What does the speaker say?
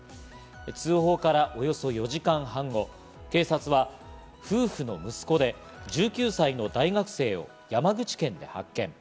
通報からおよそ４時間半後、警察は夫婦の息子で、１９歳の大学生を山口県で発見。